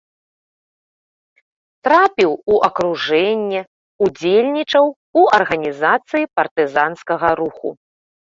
Трапіў у акружэнне, удзельнічаў у арганізацыі партызанскага руху.